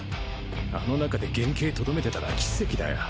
あの中で原形留めてたら奇跡だよ。